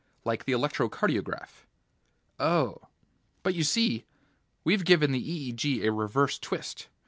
Like the electro cardiograph." "Oh." "But you see, we've given the EEG a reverse twist.